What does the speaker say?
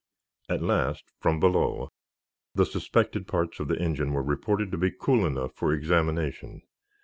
At last, from below, the suspected parts of the engine were reported to be cool enough for examination.